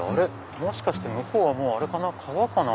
もしかして向こうはもう川かな？